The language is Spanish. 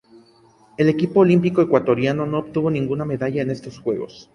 El equipo olímpico ecuatoriano no obtuvo ninguna medalla en estos Juegos.